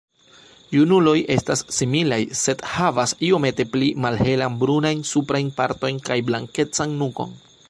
Junuloj estas similaj, sed havas iomete pli malhelan brunajn suprajn partojn kaj blankecan nukon.